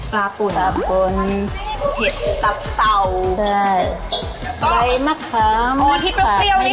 มาเลยเราจะมาทำแกงเห็ดห้าใช่ไหม